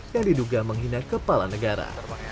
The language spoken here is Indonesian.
yang diduga menghina kepala negara